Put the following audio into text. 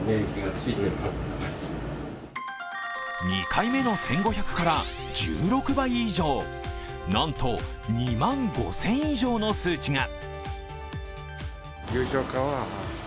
２回目の１５００から１６倍以上、なんと２万５０００以上の数値が。